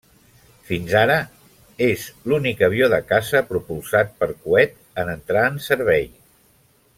Fins ara és l'únic avió de caça propulsat per coet en entrar en servei.